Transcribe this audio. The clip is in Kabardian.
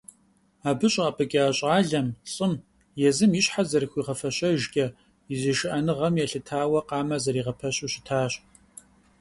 Абы щӀапӀыкӀа щӀалэм, лӀым, езым и щхьэ зэрыхуигъэфэщэжкӀэ, и зышыӀэныгъэм елъытауэ къамэ зэрагъэпэщу щытащ.